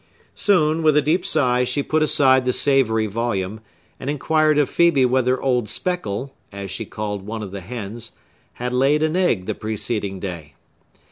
Soon, with a deep sigh, she put aside the savory volume, and inquired of Phœbe whether old Speckle, as she called one of the hens, had laid an egg the preceding day.